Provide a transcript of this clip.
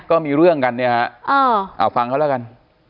ก็มีเรื่องกันเนี่ยฮะเอาฟังเขาแล้วกัน